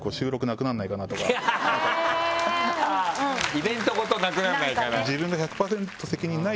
「イベントごとなくなんないかな」。